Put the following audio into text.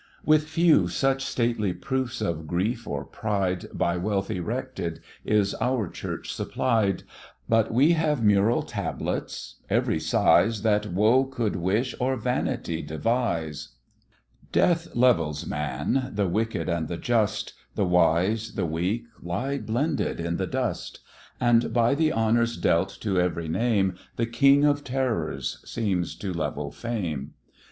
With few such stately proofs of grief or pride, By wealth erected, is our Church supplied; But we have mural tablets, every size, That woe could wish, or vanity devise. Death levels man the wicked and the just, The wise, the weak, lie blended in the dust; And by the honours dealt to every name, The King of Terrors seems to level fame.